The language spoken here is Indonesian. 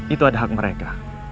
itu ada hak mereka